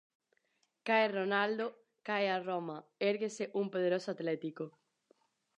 Cae Ronaldo, cae a Roma, érguese un poderoso Atlético.